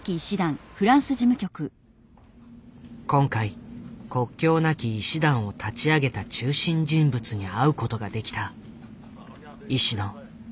今回国境なき医師団を立ち上げた中心人物に会うことができた。